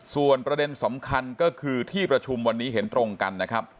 ส่วนประเด็นสำคัญก็คือที่ประชุมวันนี้เห็นตรงกันนะครับ